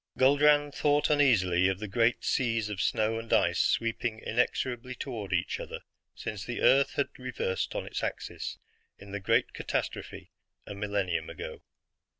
Guldran thought uneasily of the great seas of snow and ice sweeping inexorably toward each other since the Earth had reversed on its axis in the great catastrophe a millennium ago.